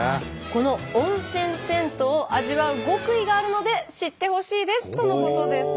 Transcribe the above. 「この温泉銭湯を味わう極意があるので知ってほしいです」とのことです。